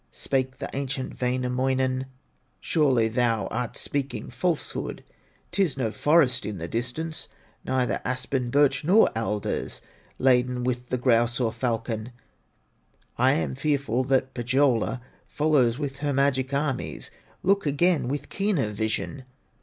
Spake the ancient Wainamoinen: "Surely thou art speaking falsehood; 'Tis no forest in the distance, Neither aspen, birch, nor alders, Laden with the grouse, or falcon; I am fearful that Pohyola Follows with her magic armies; Look again with keener vision."